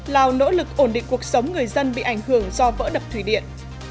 lào nỗ lực ổn định cuộc sống người dân bị ảnh hưởng do vỡ đập thủy điện